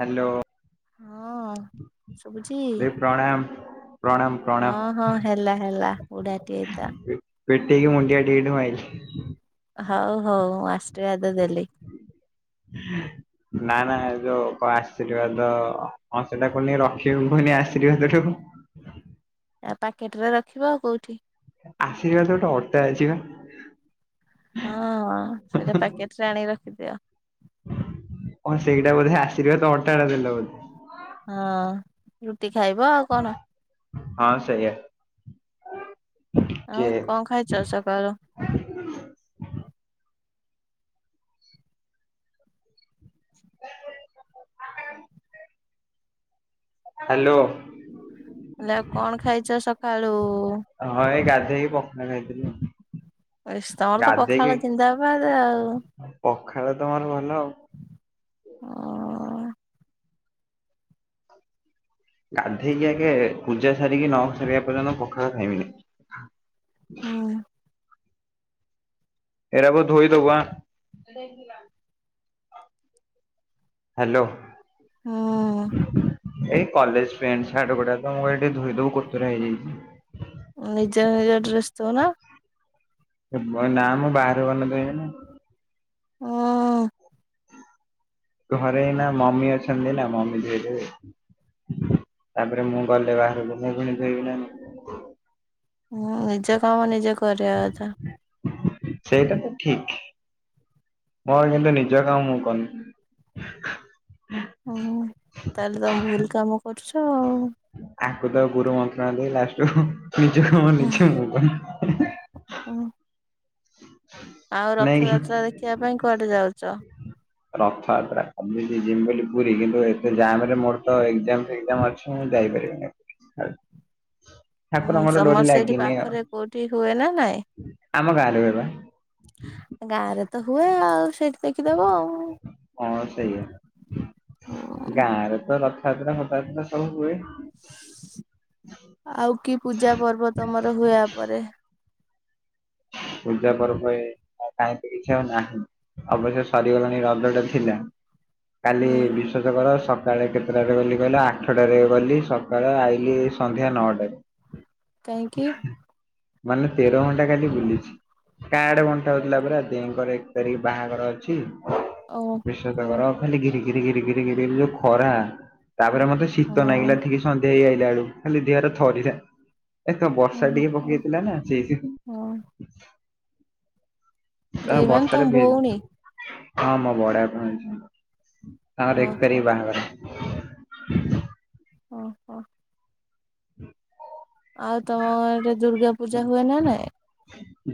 Hello ହଁ ଶୁଭୁଛି ଦେଇ ପ୍ରଣାମ। ପ୍ରଣାମ ପ୍ର ହଁ ହଁ ହେଲା ହେଲା ବୁଢ଼ାଟିଏ ହେଇଥା। ପେଟେଇକି ମୁଣ୍ଡିଆଟିଏ ଏଇଠି ମାଇଲି। ହଉ ହଉ ମୁଁ ଆଶୀର୍ବାଦ ଦେଲି। ନା ନା ଯୋଉ କଣ ଆଶୀର୍ବାଦ ହଁ ସେଟା କୁନି ରଖିବି ପୁଣି ଆଶୀର୍ବାଦ ଟାକୁ? ଆ ପ୍ୟାକେଟେରେ ରଖିବ ଆଉ କୋଉଠି। ଆଶୀର୍ବାଦ ଗୋଟେ ଅଟା ଅଛିବା? ହଁ ସେଇଟା ପ୍ୟାକେଟରେ ଆଣିକି ରଖିଦିଅ। ହଁ ସେଇଟା ବୋଧେ ଆଶୀର୍ବାଦତ ଅଟାଟା ଦେଲ ବୋଧେ? ହଁ ରୁଟି ଖାଇବ ଆଉ କଣ। ହଁ ସେଇୟା। ଆଉ କଣ ଖାଇଛ ସକାଳୁ? ହାଲୋ। ହେଲେ ଆଉ କଣ ଖାଇଛ ସକାଳୁ? ହଁ ଏଇ ଗାଧେଇକି ପଖାଳ ଖାଇଥିଲି ଆଉ। ସ ତମରତ ପଖାଳ ଜିନ୍ଦାବାଦ୍ ଆଉ। ପଖାଳତ ମୋର ଭଲ ଆଉ। ଗାଧେଇକି ଆଗେ ପୂଜା ସାରିକି ନସାରିବା ପର୍ଯ୍ୟନ୍ତ ପଖାଳ ଖାଇମିନି। ହଁ। ଏରା ବୋଉ ଧୋଇଦବୁ ଆଁ। ହାଲୋ। ହଁ। ଏଇ କଲେଜ୍ ପ୍ୟାଣ୍ଟ ସାର୍ଟ ଗୁଡ଼ାକ ମୁଁକହିଲି ଟିକେ ଧୋଇଦବୁ କୋତରା ହେଇଯାଇଚି। ନିଜ ନିଜ ଡ୍ରେସ୍ ଧୋଉନ? ଏ ବ ନାଁ ମୁଁ ବାହାରୁ ଗଲେ ଧୋଇମିନା। ଉଃ। ଘରେ ଏଇନା ମମି ଅଛନ୍ତି ନା ମମି ଦେଇ ଦେବେ। ତାପରେ ମୁଁ ଗଲେ ବାହାରକୁ ମୁଁ ବି ନିଜେ ଦେବି ନା ନାଇ। ହଁ ନିଜ କାମ ନିଜେ କରିବା କଥା। ସେଇଟା ତ ଠିକ୍। ମୋର କିନ୍ତୁ ନିଜ କାମ ମୁଁ କରୁନି। ଓହୋ ତାହେଲେ ତମେ ଭୁଲ କାମ କରୁଛ ଆଉ। ଆକୁ ତାକୁ ଗୁରୁ ମନ୍ତ୍ରଣା ଦେଇ ଲାଷ୍ଟକୁ ନିଜ କାମ ହଁ। ନିଜେ ମୁଁ କରନି। ହୁଁ [inaudible] ଆଉ ନାଇଁ କି? ରଥଯାତ୍ରା ଦେଖିବା ପାଇଁ କୁଆଡେ ଯାଉଚ? ରଥଯାତ୍ରା ଭାବୁଚି ଯିମ ବୋଲି ପୁରୀ କିନ୍ତୁ ଏତେ ଜାମରେ ମୋର ତ ଏଗଜାମ ଫେଗଜାମ ଅଛି। ତ ମୁଁ ଯାଇପାରିବିନି। ହୁଁ ଠାକୁରଙ୍କର ଡୋରି ସମର ସେଇଠି ଲାଗିନି ଆଉ ପାଖରେ କୋଉଠି ହୁଏ ନା ନାଇଁ? ହେରା ଗାଁଆରେ ତ ହୁଏ ଆଉ ସେଇଠି ଦେଖିଦବ ଆଉ। ହଁ ସେଇଆ। ହୁଁ ଗାଁରେ ତ ରଥଯାତ୍ରା ଫଥଯାତ୍ରା ସବୁ ହୁଏ। ଆଉ କି ପୂଜା ପର୍ବ ତମର ହୁଏ ୟା ପରେ? ପୂଜା ପର୍ବ ଏ ଆଉ କାଇଁ ତ କିଛି ଆଉ ନାହିଁ। ଅବଶ୍ୟ ସରିଗଲାଣି ରଜଟା ଥିଲା କାଲି ହୁଁ ବିଶ୍ ବିଶ୍ବାସ କର ସକାଳେ କେତେଟାରେ ଗଲି କହିଲେ ଆଠଟାରେ ଗଲି ସକାଳେ ଆଇଲି ସନ୍ଧ୍ୟା ନଅଟାରେ। [inaudible] ମାନେ ତେର ଘଣ୍ଟା କାଲି ଲୁଛି କାର୍ଡ ବଣ୍ଟା ହୋଉଥୁଲା ପରା ଦେଈଙ୍କର ଏକ ତାରିକି ବାହାଘର ଅଛି। ଓହୋ ବିଶ୍ୱାସ ହୋ କର ଖାଲି ଘିରି ଘିରି ଘିରି ଘିରି ଘିରି ଯୋଉ ଖରା। ତାପରେ ମତେ ଶୀତ ନାଗିଲା ଠିକ ସନ୍ଧ୍ୟା ହେଇ ଆଇଲା ବେଳକୁ ଖାଲି ଦେହଟା ଥରିଲା। ଏ ତ ବର୍ଷା ଟିକେ ଓହୋ ପକେଇଥିଲା ନା ସେଇଥି ହୋ ତମେ ଦେଇ ମାନେ ବର୍ଷାରେ ତମ ଭଉଣୀ ଭିଜ ହଁ ମୋ ବଡବାପାଙ୍କ ଝିଅ ତାଙ୍କର ଏକ ଓହୋ ତାରିଖ ବାହାଘର। ଓହୋ। [unintelligible] ଆଉ ତମଆଡେ ଦୁର୍ଗା ପୂଜା ହୁଏ ନା ନାଇଁ?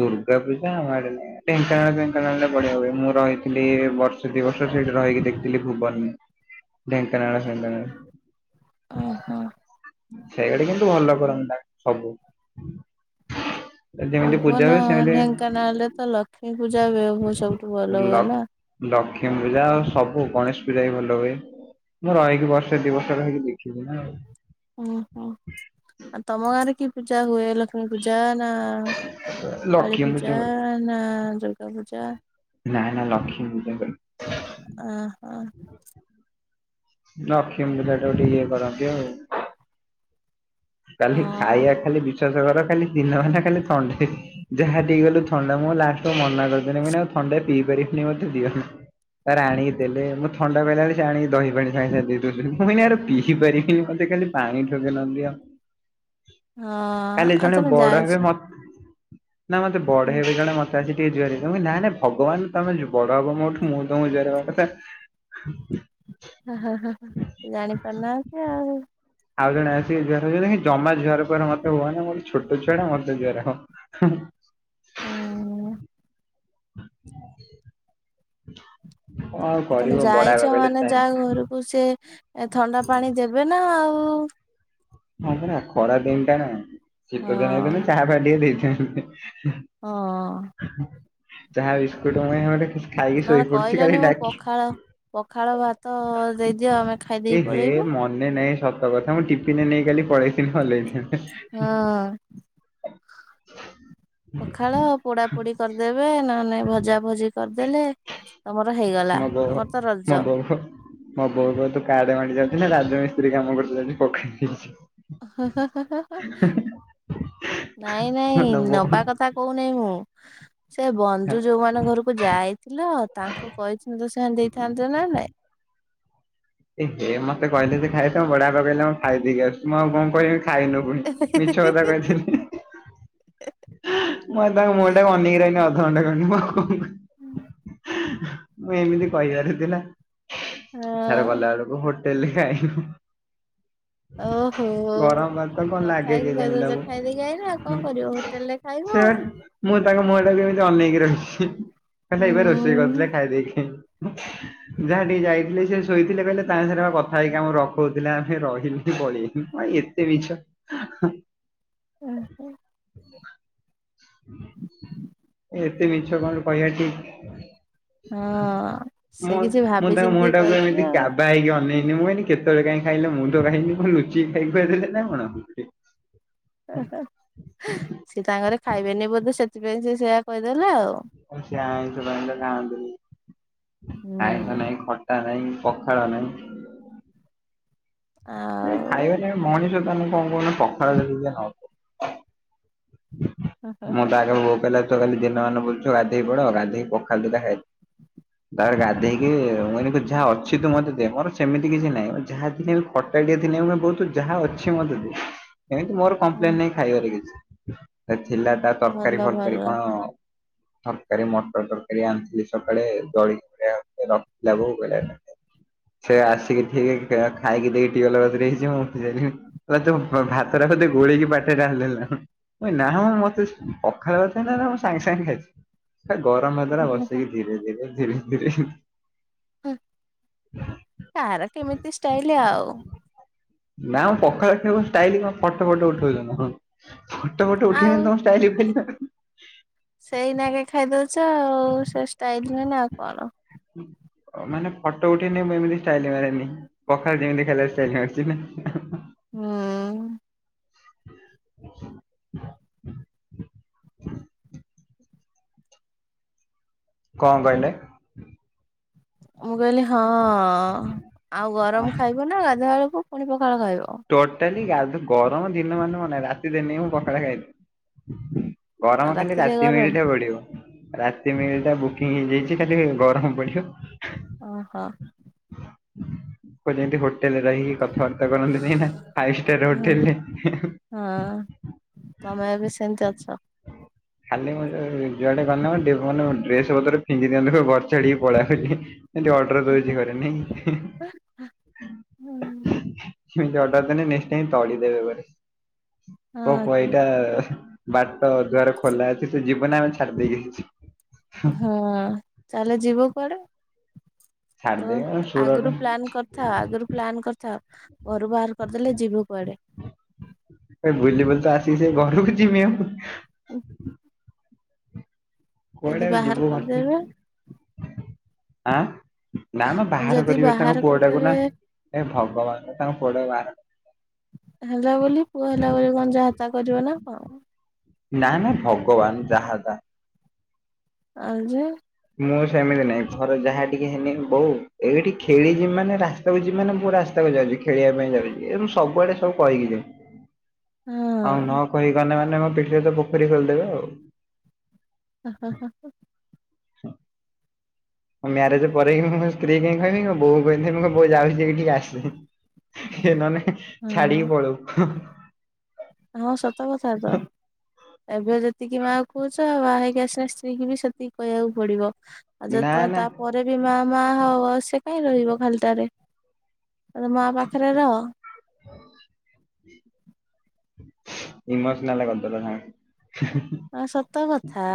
ଦୁର୍ଗା ପୂଜା ଆମ ଆଡେ ନାଇ ଢେଙ୍କାନାଳ ଫେଙ୍କାନାଳରେ ବଢ଼ିଆ ହୁଏ ମୁଁ ରହି ଥିଲି ଏ ବର୍ଷେ ଦି ବର୍ଷ ସେଇଠି ରହିକି ଦେଖଥିଲି ଭୁବନରେ। ଢେଙ୍କାନଳ ସେଙ୍କାନାଳ ଓହୋ ସେଇଆଡେ କିନ୍ତୁ ଭଲ କରନ୍ତି ତାଙ୍କ ସବୁ। ଯେମିତି ପୂଜା ଭୁବନ ହୁଏ ସେମିତି ଢେଙ୍କାନାଳରେ ତ ଲକ୍ଷ୍ମୀପୂଜା ବି ବୋହୁ ସବୁଠୁ ଭଲ ଲ ହୁଏ ନା। ଲକ୍ଷ୍ମୀ ପୂଜା ଆଉ ସବୁ ଗଣେଶ ପୂଜା ବି ଭଲ ହୁଏ। ମୁଁ ରହିକି ବର୍ଷେ ଦି ବର୍ଷ ରହିକି ଦେଖିଚି ନା ଆଉ। ଓହୋ ଆଉ ତମ ଗାଁରେ କି ପୂଜା ହୁଏ ଲକ୍ଷ୍ କ୍ଷ୍ମୀ ପୂଜା ନା କାଳି ଲକ୍ଷ୍ମୀ ପୂଜା ହୁଏ। ନା ଦୁର୍ଗା ପୂଜା? ନା ନା ଲକ୍ଷ୍ମୀ ପୁଜା କରୁ। ଆଁ ହଁ। ଲଷ୍ମୀ ପୂଜାଟାକୁ ଟିକେ ଇଏ କରନ୍ତି ଆଉ। କାଲି ଖାଇବା ହଁ ଖାଲି ବିଶ୍ଵାସ କର ଖାଲି ଦିନ ମାନେ ଖାଲି ଥଣ୍ଡା। ଯାହା ହଟିକି ଗଲୁ ଥଣ୍ଡା ମୁଁ ଲାଷ୍ଟକୁ ମନା କରିଦେଲି ମୁଁ କଇନି ଆଉ ଥଣ୍ଡା ପିଇ ପାରିବୁନି ମତେ ଦିଅନା। ତାପର ଆଣିକି ଦେଲେ ମୁଁ ଥଣ୍ଡା କହିଲା ବେଳେ ସେ ଆଣିକି ଦହି ପାଣି ସାଙ୍ଗେ ସାଙ୍ଗେ ଦେଇ ଦୋଉଚନ୍ତି ମୁଁ କହିନି ଆରେ ପିଇ ପାରିବିନି ମତେ ଖାଲି ପାଣି ଠୋପେ ନହନେ ଦିଅ। କାଲି ଆଉ ଜଣେ ତମେ ବଡ ଯାଇଛ। ହେବେ ମତ୍ ନା ମତେ ହ ବଡ ହେବେ ଜଣେ ମତ୍ ଆଜି ଟିକେ ଜୁହାରେ ହେଇଯା ମୁଁ କହିନି ନା ନା ଭଗବାନ ତମେ ଯୁ ବଡ ହବ ମୋଠୁ ମୁଁ ତମକୁ ଜୁହାର ହବା କଥା। ହଁ ହ ହଁ ହ ହ ଜାଣିପାରୁନାହାନ୍ତି ଆଉ। ଆଉ ଜଣେ ଆସିିକି ଜୁଆର ଜମା ଜୁହାର ଫୁଆର ମତେ ହୁଅନି ମୁଁ ବି ଛୋଟ ଛୁଆ ଟା, ମତେ ଜୁହାର ହବ। ଅଁ [inaudible] ତମେ କରିବ ବଡ ବାପା ଯାଇଛ ମାନେ କହିଲେ ଯା ଘରକୁ ସେ ଥଣ୍ଡା ପାଣି ଦେବେ ନା ଆଉ। ହଁ ପରା ଖରା ଦିନ ଟା ନାଁ, ଶୀତ ଦିନ ହେଇଥିଲେ ହଁ ଚାହା ଫା ଟିକେ ଦେଇଥାନ୍ତେ। ହଁ। ଚାହା ବିସ୍କୁଟ ମୁଇ ଗୋଟେ ଖାଇକି ନହେଲେ ଶୋଇ ପଡୁଛି କହିଲନି କାଲି ମୁଁ ଡାକି ପଖାଳ ପଖାଳ ଭାତ ଦେଇଦିଅ ଆମେ ଏ ଖାଇଦେଇକି ହେ ପଳେଇବୁ। ମନେ ନାଇଁ ସତ କଥା ମୁଁ ଟିଫିନ ନେଇ କାଲି ପଳେଇଥିଲି ଭଲ ହେଇଥାନ୍ତା। ହଁ। ପଖାଳ ପୋଡା ପୋଡି କରିଦେବେ ନହେଲେ ନାଇଁ ଭଜା ଭଜି କରିଦେଲେ। ତମର ହେଇଗଲା ମୋ ବୋଉ ତମର ତ ମୋ ରଜ। ବୋଉ ମୋ ବୋଉ କ ତୁ କାର୍ଡ ବାଣ୍ଟି ଯାଉଛୁ ନା, ରାଜମିସ୍ତ୍ରୀ କାମ କରୁଛୁ ସେଠି ପଖାଳା ଖାଇଛ ହ ହ ହ ହଅ ନାଇଁ ନାଇଁ ମୋ ନବା ବୋଉ କଥା କୋଉନହିଁ ମୁଁ ସେ ବନ୍ଧୁ ଯୋଉ ମାନଙ୍କ ଘରକୁ ଯାଇଥିଲ ତାଙ୍କୁ କହିନ୍ତ ତ ସେମାନେ ଦେଇଥାନ୍ତେ ନା ନାଇଁ। ଏ ହେ ମତେ କହିଲେ ଯେ ଖାଇବା ପାଇଁ ବଡ଼ାପା କହିଲେ ମୁଁ ଖାଇ ଦେଇକି ଆସୁଛୁ ମୁଁ ଆଉ କଣ କହିବି ଖାଇନୁ ମିଛ କଥା କହିଥିଲି। ମୁଁ ତାଙ୍କ ମୁହଁଟା ଅନକି ରିହିଲି ଅଧଘଣ୍ଟା ଘଣ୍ଟେ ମୁଁ ଆଉ କଣ କହି ମୁଁ ଏମିତି କହିପାରୁଥିଲା ସାର ହଁ ଗଲା ବେଳକୁ ହୋ ଦେଲେ ଖାଏ ଓହୋ ଗରମ ଭାତ କଣ ନ ଲାଗେ ଖାଇକି କେଜାଣି କହିଦଉଛ ତାକୁ। ଖାଇ ଦେଇକି ଆଇଲ ଆଉ କଣ କରିବ। ତେଣୁ ହୋଟେଲ ରେ ସେ ଖାଇବ ଆଉ। ମୁଁ ତାଙ୍କ ମୁହଁ ଟା ବି ଏମିତି ଅନେକି ରହିଛି କହିଲା ଏବେ ରୋଷେଇ କରଥିଲେ ଖାଇ ଦେଇକି [inaudible] ଯାହା ଟିକେ ଯାଇଥିଲେ ସେ ଶୋଇଥିଲେ କହିଲେ ତାଙ୍କ ସାଙ୍ଗରେ କଥା ହେଇକି ଆମକୁ ରଖଉଥିଲେ ଆମେ ରହିଲି ପଳେଇିଲୁ [unintelligible] ସେ ମିଛ ଓ ହୋ। ଏତେ ମିଛ କଣ କହିବା ଠିକ? ହଁ ସେ ମୁଁ କିଛି ମୁଁ ଭାବି ତାଙ୍କ ମୁହଁ ଚିନ୍ତି ଟାକୁ କହିଥିବେ ଏମିତି ଆଉ। କାବା ହେଇକି ଅନେଇନି, ମୁଁ କହିଲି? କେତେବେଳେ କାଇଁ ଖାଇଲେ ମୁଁ ତ ଖାଇନି କଣ ଲୁଚି ଖାଇ ଖୁଆ ଦେଲେ ନା କଣ। ସିଏ ତାଙ୍କରେ ଖାଇବେନି ବୋଧେ ସେଥିପାଇଁ ସେ ସେଇଆ କହିଦେଲେ ଆଉ। ସେ ଆଇଁଷ ପାଇଁଷ ଖାଆନ୍ତିନି, ଆଇଁଷ ହୁଁ ନାଇଁ ଖ ତା ନାହିଁ ପଖାଳ ନାହିଁ। ଆ। ସେ ଖାଇବାରେ ମଣିଷ ତମେ କଣ କହୁନ, ପଖାଳ ଯଦି ନ ହ ମୁଁ ତ ଆଗ ବୋଉ କହିଲା ତୁ କାଲି ଦିନମାନ ବୁଲୁଛୁ ଗାଧୋଇ ପଡ ଗାଧୋଇ ପଖାଳ ଦି ଟା ଖାଇଦେ। ତାର ଗାଧେଇକି ମୁଁ କନି ଯାହା ଅଛି ତୁ ମତେ ଦେ ମୋର ସେମିତି କିଛି ନାହିଁ, ଯାହାଥିଲେ ବି ଖ ଟା ଟିକେ ଥିଲେ ବଉ ଯାହା ଅଛି ମତେ ଦେ ଏମିତି ମୋର କମ୍ପ୍ଲେନ ନାହିଁ ଖାଇବାର କିଛି, ଥିଲା ତା ତରକାରୀ ଭଲ ଭଲ ଫରକାରୀ କଣ? ତରକାରୀ ମଟର ତରକାରୀ ଆଣିଥିଲି ସକାଳେ ଜଳିଖିଆ ରଖିଥିଲା ବୋଉ ହଁ ସେ ଆସିକି ଠିକ ଖାଇକି ଦେଇକି ଟିୱଲ କତିରେ ହେଇଛି ମୁଁ ଉଠି ସାରିଲିଣି। ହେ ତୁ ଭାତଟା ବୋଧେ ଗୋଳେଇକି ପାଟରେ ଢାଳି ଦେଲେନା ମୁଁ କହିଲି ନା ମତେ ପଖାଳ ଭାତ ନା ମୁଁ ସାଙ୍ଗେ ସାଙ୍ଗେ ଖାଇଛି। ଗରମ ଭାତ ଟା ବସିକି ଧୀରେ ଧୀରେ ଧୀରେ ଧୀରେ ହଁ କାହାର କେମିତି ଷ୍ଟାଇଲ ଆଉ। ନା ମୁଁ ପଖାଳ ଖାଇବ ଷ୍ଟାଇଲ କ ଫଟୋ ଫଟୋ ଉଠଉଛନ୍ତି। ଫୋଟେ ଫୋଟେ ଆଉ ଉଠେଇନି ତମ ଷ୍ଟାଇଲ ଫ [unintelligible] ସେଇନାଗେ ଖାଇଦଉଛ ଆଉ ସେ ଷ୍ଟାଇଲ ନୁ ଆଉ କଣ? ମାନେ ଫଟୋ ଉଠେଇନି ମୁ ଏମିତି ଷ୍ଟାଇଲ ମାରେନି। ପଖାଳ ଯେମିତି ଖେଲେ ସେ ହଉଛି ନା ହୁଁ। କଣ କହିଲେ? ମୁଁ କହିଲି ହଁ ଆଉ ଗରମ ଖାଇବ ନା ଗାଧା ବେଳକୁ? ଫୁଣି ପଖାଳ ଖାଇବ ଟୋଟାଲି ଗାଧା ଗରମ ଦିନ ମାନେ ରାତିଦିନି ମୁଁ ପଖାଳ ଖାଇବି। ଆଉ ଗରମ ଖାଲି ରାତିରେ ରାତି ମିଲ୍ ଗରମ ଟା ପଡିବ ରାତି ମିଲ୍ ଟା ବୁ ହେଇ ଯାଇଛି ଖାଲି ଗରମ ପଡିବ। ଅ ହ। କୁ ଯେମିତି ହୋଟେଲରେ ରହିକି କଥାବାର୍ତ୍ତା କରନ୍ତି ନାଇଁ ଫାଇଫ୍ ଷ୍ଟାର୍ ହଁ ହୋଟେଲରେ ହଁ ତମେ ଏ ବି ସେମିତି ଅଛ। ଖାଲି ମୁଁ ଯୁଆଡେ ଗଲେ ମାନେ ଡ୍ରେସ ପତ୍ର ଫିଙ୍ଗି ଦିଅନ୍ତି ସବୁ ଘର ଛାଡିକି ପଲା ବେ। ସେଠି ଅର୍ଡର ଦଉଛି ଘରେ ନାଇଁ ହୁଁ ଏମିତି ଅର୍ଡର୍ ଦେଲେ ନେକ୍ସଟ୍ ଟାଇମ ତଡ଼ି ଦେବେ ଘରେ। କୋ ହଁ କି ଏଇଟା ବାଟ ଦୁଆର ଖୋଲା ଅଛି ତ ଯିବୁ ଆମେ ଛାଡି ଦେଇେକି ଆସିବି। ହଁ ତା ହେଲେ ଯିବ କୁଆଡେ ତମେ ଛାଡିଦେବେ ସୁରଟ ଆଗରୁ ପ୍ଲନ୍ କରି ଥା ଆଗରୁ ପ୍ଲାନ୍ କରିଥାଉ ଘରୁ ବାହାର କରିଦେଲେ ଯିବୁ କୁଆଡେ? ଏ ବୁଲି ବୁଲି ତ ଆସି ସେ ଘରକୁ ଯମି ଆଉ। ହୁଁ। କୁଆଡେ ଆ ଯିବୁ କରିଦେବେ ଘରଷ ଆଁ ନା ନା ବାହାର ଯଦି କରିବେ ତାଙ୍କ ବାହାର ପୁଅଟାକୁ କରିଦେବେ ନା ଏ ଭଗବାନ ତାଙ୍କ ପୁଅଟାକୁ ବାହାର ହେଲା ବୋଲି ପୁଅ ହେଲା ବୋଲି କଣ ଯାହାତା କରିବ ନା କଣ? ନା ନା ଭଗବାନ ଯାହା ଯା ଆଉ ଯେ ମୁଁ ସେମିତି ନାଇଁ ଘର ଯାହା ଟିକେ ହେନି ବୋଉ ଏଇଠି ଖେଳିବି ମାନେ ରା ମାନେ ମୁଁ ରାସ୍ତାକୁ ଯାଉଛି ଖେଳିବା ପାଇଁ ଯାଉଛି ସବୁଆଡେ ସୁ କହିକି ଯାଏଁ। ଆଉ ନ ହଁ କହିଗଲେ ମାନେ ମୋ ପିଠିରେ ତ ପୋଖରୀ ଖୋଲିଦେବେ ଆଉ। ହଁ ହଁ ହଁ ହଁ। ହଁ। ମ୍ୟାରେଜ ପରେକି ସ୍ତ୍ରୀ କାଇହିଁ କହିବି ବୋଉ କହିଥିବିଁ କୋଉ ଯାଉଛି ହେଇକି ଆସି ଏ ନେ ଛାଡିକି ହଁ ପଳଉ ହଁ ସତ କଥା ତ। ଏବେ ଯେତିକି ମା କହୁଛ ଆଉ ବାହା ହେଇକି ଆସିଲା ସ୍ତ୍ରୀ କି ବି ସେତିକି କହିବାକୁ ପଡିବ। ଆଉ ଯଦି ନା ତମେ ନା ତା ପରେ ବି ମା ମା ହବ ସେ କାହିଁ ରହିବ ଖାଲି ତାରେ ତ ମା ପାଖରେ ରହ। [inaudible] ଇମୋସନାଲ କରିଦଲ ସାଙ୍ଗ। ହଁ ସତ କଥା।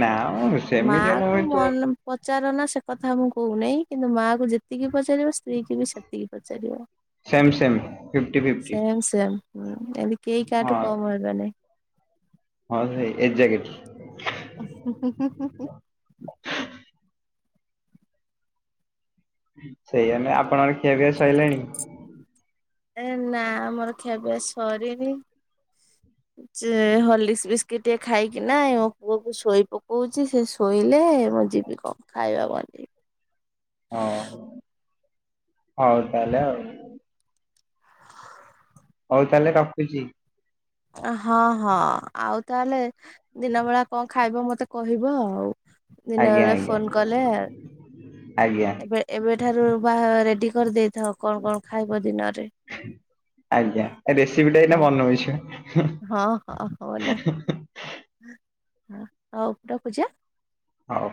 ନା ମ ମା ସେମିତିଆ କ ନୁହେଁ ତୁ ମନ ପଚାର ନା ସେ କଥା ମୁଁ କହୁନାହିଁ କିନ୍ତୁ ମାଆକୁ ଯେତିକି ପଚାରିବ ସ୍ତ୍ରୀ କି ବି ସେତିକି ପଚାରିବ। Same same fifty fifty same same ଯେମିତି କେହି ହଁ କାହାଠୁ କମ ହେବନି। ହଁ ସେ ଏଜ୍ୟାକେଟ ହୁଁ ହୁଁ ହୁଁ। ସେଇଆ ନୁହେଁ ଆପଣଙ୍କର ଖିଆପିଆ ସଇଲାଣି? ଏ ନା ଆମର ଖିଆପିଆ ସରିନି। ଯେ ହଲିକିସ୍ ବିସ୍କିଟ ଟେ ଖାଇକି ନା ଏଇ ମୋ ପୁଅକୁ ଶୋଇ ପକଉଛି ସେ ଶୋଇଲେ ମୁଁ ଯିବି କ ଖାଇବା [unintelligible] ହଉ ହଉ ତାହେଲେ ଆଉ। ହୋଉ ତାହେଲେ ରଖୁଛି। ହଁ ହଁ ଆଉ ତାହେଲେ ଦିନ ବେଳା କଁ ଖାଇବ ମତେ କହିବ ଆଉ। ଦିନ ଆଜ୍ଞା ବେଳେ ଆଜ୍ଞା ଫୋନ ଆଜ୍ଞା। ବେ ଏବେ ଠାରୁ ବାହା ରେଡି କରିଦେଇଥାଅ କଣ କଣ ଖାଇବ ଦିନରରେ। ଆଜ୍ଞା ଏ ରେସିପିଟା ହଁ ଏଇନା ବନୋଉଛି। ହୁଁ ହଉ ରଖୁଚି ଆଁ। ହଉ।